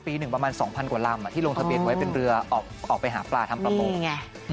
หนึ่งประมาณ๒๐๐กว่าลำที่ลงทะเบียนไว้เป็นเรือออกไปหาปลาทำประมง